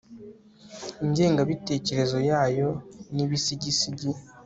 ingengabitekerezo yayo n'ibisigisigi